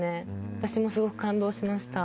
私もすごく感動しました。